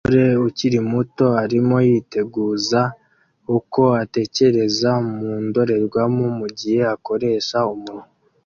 Umugore ukiri muto arimo yitegereza uko atekereza mu ndorerwamo mugihe akoresha umunwa